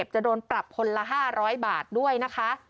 จะโดนปรับคนละ๕๐๐บาทด้วยนะคะ